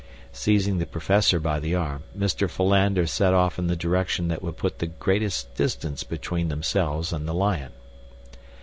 Seizing the professor by the arm, Mr. Philander set off in the direction that would put the greatest distance between themselves and the lion.